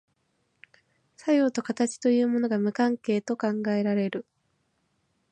作用と形というものが無関係と考えられる。